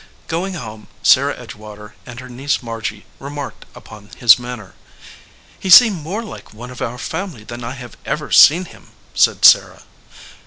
Going home, Sarah Edgewater and her niece 104 THE FLOWERING BUSH Margy remarked upon his manner. "He seemed more like one of our family than I have ever seen him," said Sarah.